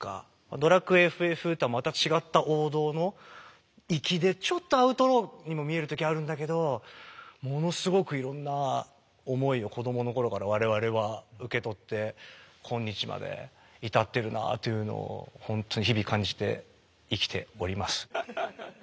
「ドラクエ」「ＦＦ」とはまた違った王道の粋でちょっとアウトローにも見える時あるんだけどものすごくいろんな思いを子供の頃から我々は受け取って今日まで至ってるなあというのをほんと日々感じて生きております。